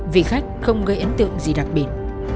vì khách không gây ấn tượng gì đặc biệt